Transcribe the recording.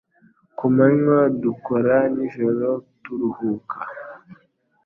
Ku manywa, dukora, nijoro turuhuka.